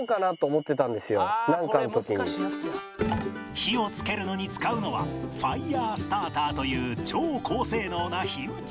火をつけるのに使うのはファイヤースターターという超高性能な火打ち石